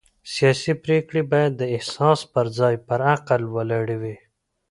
سیاسي پرېکړې باید د احساس پر ځای پر عقل ولاړې وي